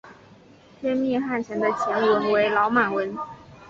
天命汗钱的钱文为老满文。